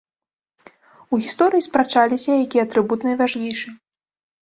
У гісторыі спрачаліся, які атрыбут найважнейшы.